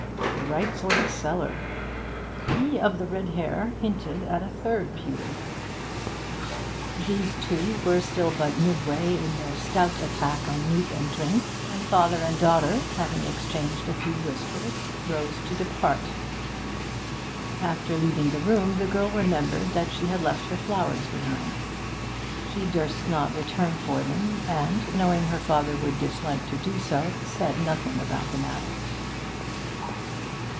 The right sort of cellar! He of the red hair hinted at a third pewter. These two were still but midway in their stout attack on meat and drink, when father and daughter, having exchanged a few whispers, rose to depart. After leaving the room, the girl remembered that she had left her flowers behind; she durst not return for them, and, knowing her father would dislike to do so, said nothing about the matter.